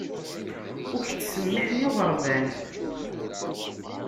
Ur k-ttsemmiiḥen iɣerban